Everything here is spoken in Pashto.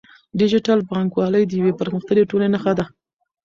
ډیجیټل بانکوالي د یوې پرمختللې ټولنې نښه ده.